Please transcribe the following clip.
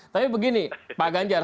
tapi begini pak ganjar